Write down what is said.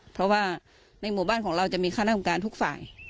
เพราะว่าในหมู่บ้านของเราจะมีคณะกรรมการทุกฝ่าย